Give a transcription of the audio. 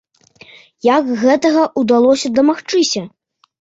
Як гэтага ўдалося дамагчыся?